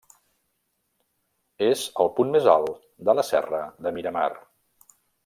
És el punt més alt de la serra de Miramar.